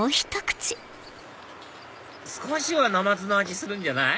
少しはなまずの味するんじゃない？